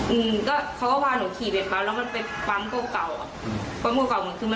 อืมก็เขาก็พาหนูขี่เป็นปั๊มแล้วมันเป็นปั๊มเก่าเก่าอ่ะอืม